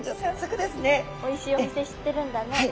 おいしいお店知ってるんだね。